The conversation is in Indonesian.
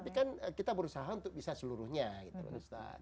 tapi kan kita berusaha untuk bisa seluruhnya gitu loh ustadz